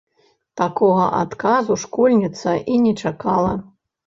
Такога адказу школьніца і не чакала.